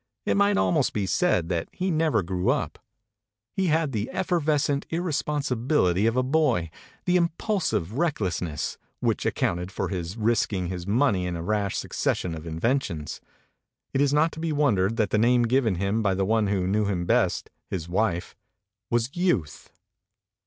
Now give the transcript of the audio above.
It might almost be said that he never grew up. He had the effervescent irresponsibility of a boy, the impulsive recklessness, which accounted 290 MEMORIES OF MARK TWAIN for his risking his money in a rash succession of inventions. It is not to be wondered at that the name given him by the one who knew him best, his wife, was " Youth."